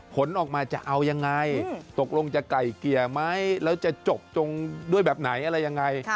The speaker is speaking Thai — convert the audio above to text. ผลออกมาจะเอายังไงตกลงจะไก่เกลี่ยไหมแล้วจะจบตรงด้วยแบบไหนอะไรยังไง